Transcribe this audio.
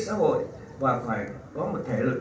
xã hội và phải có một thể lực